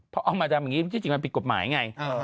พอเอามาทำแบบนี้จริงมันปิดกฎหมายไง